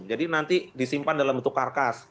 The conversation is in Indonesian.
jadi nanti disimpan dalam bentuk karkas